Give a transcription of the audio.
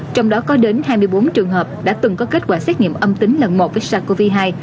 trong đó có đến hai mươi bốn trường hợp đã từng có kết quả xét nghiệm âm tính lần một với sars cov hai